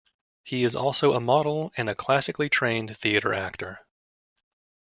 He is also a model and a classically trained theater actor.